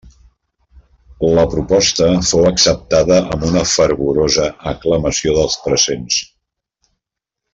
La proposta fou acceptada amb una fervorosa aclamació dels presents.